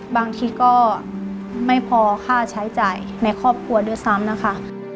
บางทีก็ไม่พอค่าใช้จ่ายในครอบครัวด้วยซ้ำนะคะ